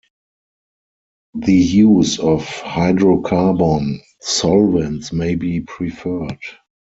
The use of hydrocarbon solvents may be preferred.